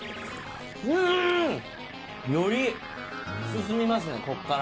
うん！より進みますねこっから。